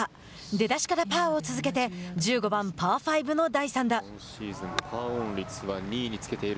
出だしからパーを続けて１５番、パー５の第３打。